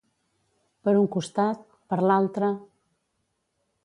Per un costat... Per l'altre...